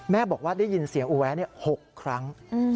บอกว่าได้ยินเสียงอูแวะ๖ครั้ง